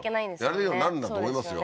やれるようになるんだと思いますよ